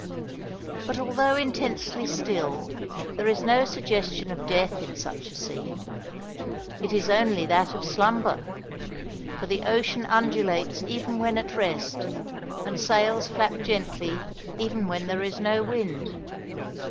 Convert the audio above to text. But, although intensely still, there is no suggestion of death in such a scene. It is only that of slumber! for the ocean undulates even when at rest, and sails flap gently even when there is no wind.